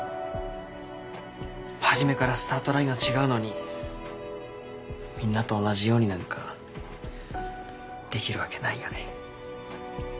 初めからスタートラインは違うのにみんなと同じようになんかできるわけないよね。